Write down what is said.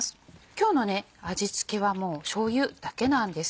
今日の味付けはしょうゆだけなんです。